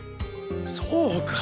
そうか！